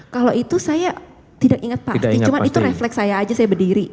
kalau itu saya tidak ingat pasti cuma itu refleks saya aja saya berdiri